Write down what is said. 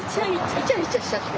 いちゃいちゃしちゃって。